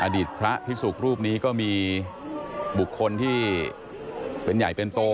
อดีตพระพิสุกรูปนี้ก็มีบุคคลที่เป็นใหญ่เป็นโต